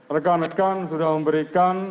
rekan rekan sudah memberikan